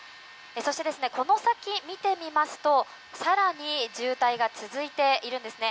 そしてこの先、見てみますと更に渋滞が続いているんですね。